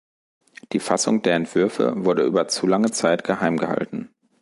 Die Fassung der Entwürfe wurde über zu lange Zeit geheim gehalten.